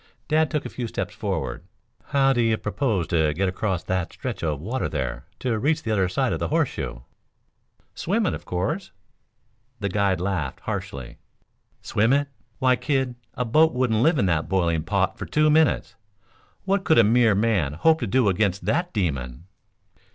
Dad took a few steps forward. "How do ye propose to get across that stretch of water there to reach the other side of the horseshoe?" "Swim it, of course." The guide laughed harshly. "Swim it? Why, kid a boat wouldn't live in that boiling pot for two minutes. What could a mere man hope to do against that demon?"